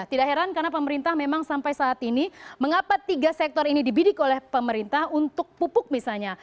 tidak heran karena pemerintah memang sampai saat ini mengapa tiga sektor ini dibidik oleh pemerintah untuk pupuk misalnya